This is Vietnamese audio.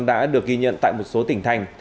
đã được ghi nhận tại một số tỉnh thành